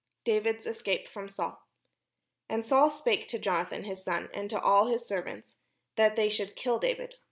David's escape from saul And Saul spake to Jonathan his son, and to all his servants, that they should kill David.